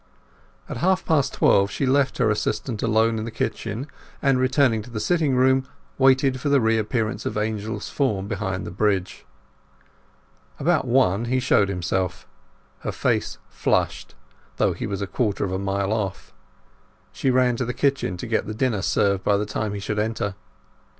At half past twelve she left her assistant alone in the kitchen, and, returning to the sitting room, waited for the reappearance of Angel's form behind the bridge. About one he showed himself. Her face flushed, although he was a quarter of a mile off. She ran to the kitchen to get the dinner served by the time he should enter.